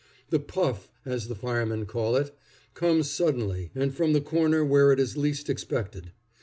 The "puff," as the firemen call it, comes suddenly, and from the corner where it is least expected.